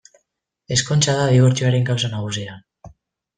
Ezkontza da dibortzioaren kausa nagusia.